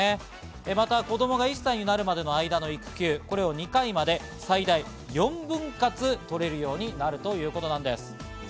また子供が１歳になるまでの間の育休を２回まで最大４分割取れるようになるということなんです。